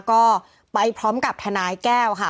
ก็ไปพร้อมกับทนายแก้วค่ะ